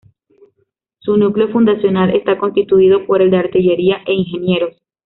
Su núcleo fundacional está constituido por el de Artillería e Ingenieros.